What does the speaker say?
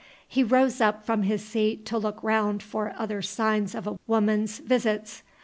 He rose up from his seat to look round for other signs of a woman's visits.